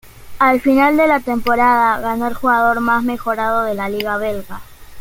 Al final de la temporada ganó el Jugador Más Mejorado de la Liga Belga.